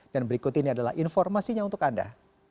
dan berikut ini adalah informasinya untuk anda